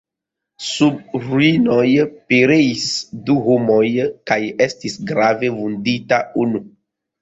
Sub ruinoj pereis du homoj kaj estis grave vundita unu.